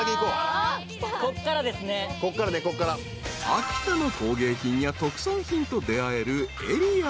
［秋田の工芸品や特産品と出合える］